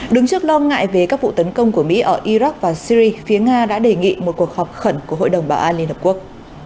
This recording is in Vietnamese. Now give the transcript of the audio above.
đứng trước lo ngại về các vụ tấn công của mỹ ở iraq và syria phía nga đã đề nghị một cuộc họp khẩn của hội đồng bảo an liên hợp quốc